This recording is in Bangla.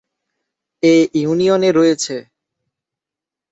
এই ইউনিয়নে রয়েছেঃ